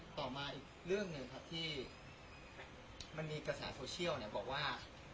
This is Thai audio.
ต่อมาอีกเรื่องหนึ่งครับที่มันมีกระแสโซเชียลบอกว่า